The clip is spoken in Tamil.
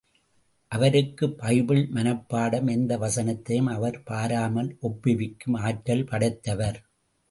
அவருக்கு பைபிள் மனப்பாடம் எந்த வசனத்தையும் அவர் பாராமல் ஒப்புவிக்கும் ஆற்றல் படைத்தவர்.